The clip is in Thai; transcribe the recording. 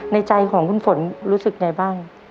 ในใจของคุณฝนรู้สึกไงบ้าง